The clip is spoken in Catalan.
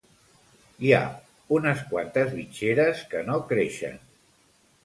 Hi ha unes quantes bitxeres que no creixen